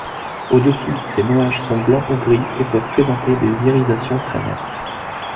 Au-dessous, ces nuages sont blancs ou gris et peuvent présenter des irisations très nettes.